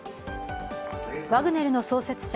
ワグネルの創設者